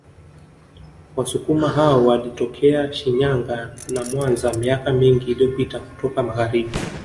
Wasukuma hao walitokea Shinyanga na Mwanza miaka mingi iliyopita kutoka Magharibi